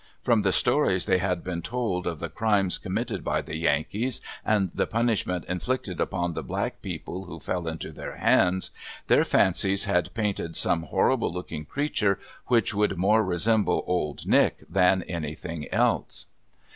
From the stories they had been told of the crimes committed by the Yankees and the punishment inflicted upon the black people who fell into their hands, their fancies had painted some horrible looking creature which would more resemble "old Nick" than anything else.